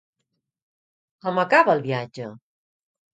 Com acaba el viatge?